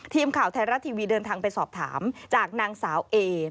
ทีมข่าวไทยรัฐทีวีเดินทางไปสอบถามจากนางสาวเอ